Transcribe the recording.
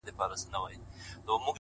• همدا اوس وايم درته؛